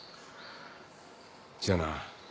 じゃあな。